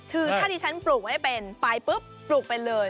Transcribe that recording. คือถ้าดิฉันปลูกไม่เป็นไปปุ๊บปลูกไปเลย